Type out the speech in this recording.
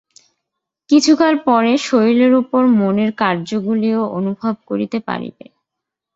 কিছুকাল পরে শরীরের উপর মনের কার্যগুলিও অনুভব করিতে পারিবে।